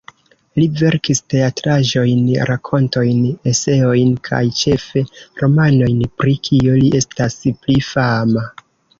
Li verkis teatraĵojn, rakontojn, eseojn kaj ĉefe romanojn, pri kio li estas pli fama.